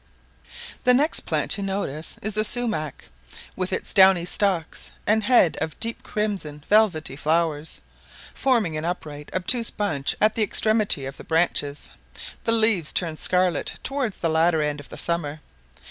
The next plant you notice is the sumach, with its downy stalks, and head of deep crimson velvety flowers, forming an upright obtuse bunch at the extremity of the branches: the leaves turn scarlet towards the latter end of the summer.